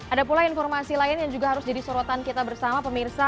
ada pula informasi lain yang juga harus jadi sorotan kita bersama pemirsa